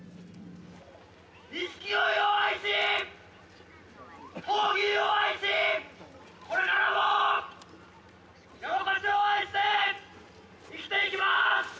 錦鯉を愛し闘牛を愛しこれからも山古志を愛して生きていきます！